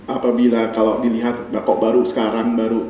apabila kalau dilihat bapak baru sekarang baru